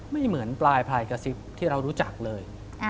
ไม่เหมือนปลายพลายกระซิบที่เรารู้จักเลย